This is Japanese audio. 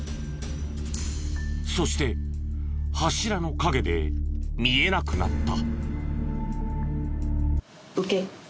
そして柱の陰で見えなくなった。